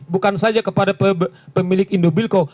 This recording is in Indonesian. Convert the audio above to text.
bukan saja kepada pemilik indobilco